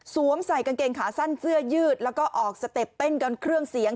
ใส่กางเกงขาสั้นเสื้อยืดแล้วก็ออกสเต็ปเต้นกันเครื่องเสียง